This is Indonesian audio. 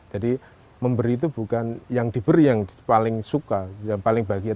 jadi memberi itu bukan yang diberi yang paling suka yang paling bahagia